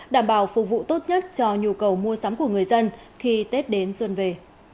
đảm bảo phục vụ tốt nhất cho nhu cầu mua sắm của người dân khi tết đến xuân về